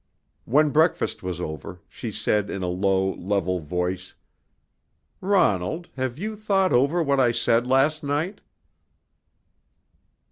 When breakfast was over, she said in a low, level voice: "Ronald, have you thought over what I said last night?"